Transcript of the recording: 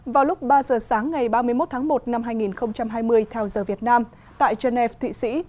vào lúc ba giờ sáng ngày ba mươi một tháng một năm hai nghìn hai mươi theo giờ việt nam tại geneva thụy sĩ